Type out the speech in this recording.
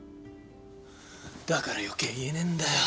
だから余計言えねえんだよ。